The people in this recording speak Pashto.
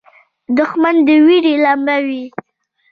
دښمن د وېرې لمبه وي